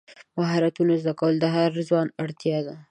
مهارتونه زده کول د هر ځوان اړتیا ده.